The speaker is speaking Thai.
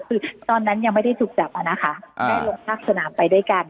คือตอนนั้นยังไม่ได้ถูกจับอะนะคะได้ลงภาคสนามไปด้วยกัน